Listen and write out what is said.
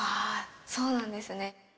そうなんですね。